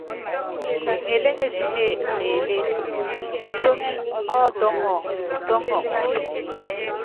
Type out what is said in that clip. Ŋeléŋensíne mé elék, Otóŋip oŋók ɔ́ tɔ́ŋɔ u píne.